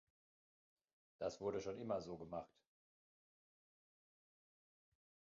Das wurde schon immer so gemacht!